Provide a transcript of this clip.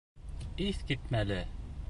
Иҫ китмәле!